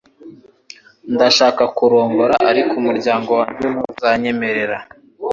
Ndashaka kurongora ariko umuryango wanjye ntuzanyemerera